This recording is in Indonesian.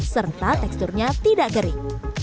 serta teksturnya tidak gerik